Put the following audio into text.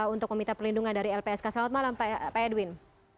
untuk meminta perlindungan dari lpsk selamat malam pak edwin